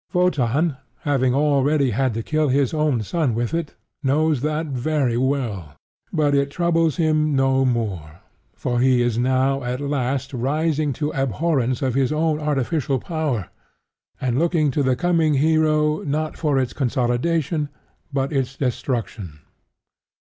Wotan, having already had to kill his own son with it, knows that very well; but it troubles him no more; for he is now at last rising to abhorrence of his own artificial power, and looking to the coming hero, not for its consolidation but its destruction.